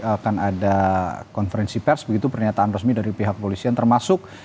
akan ada konferensi pers begitu pernyataan resmi dari pihak polisian termasuk